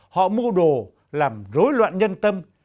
họ mô đồ làm rối loạn nhân tâm